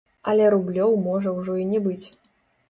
Але рублёў можа ўжо і не быць.